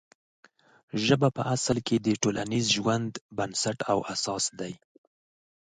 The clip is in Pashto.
ژبه په اصل کې د ټولنیز ژوند بنسټ او اساس دی.